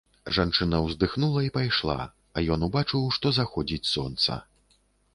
Жанчына ўздыхнула і пайшла, а ён убачыў, што заходзіць сонца.